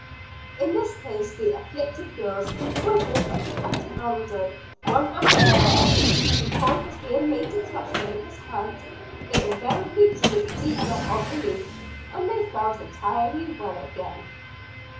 In this case the "afflicted" girls were brought up to Captain Alden, one after the other and upon his being made to touch them with his hand, they invariably drew a deep breath of relief, and said they felt entirely well again.